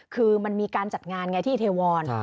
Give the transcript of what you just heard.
คือมันมีการจัดงานไงที่เทวอน